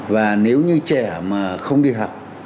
và nếu như trẻ mà không đi học